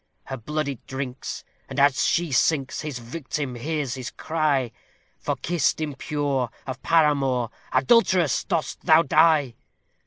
Her blood it drinks, and, as she sinks, his victim hears his cry: "For kiss impure of paramour, adult'ress, dost thou die!"